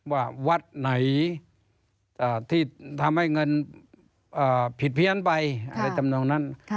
ว่าวัดไหนที่ทำให้เงินผิดเพี้ยนไปอะไรจำนองนั้น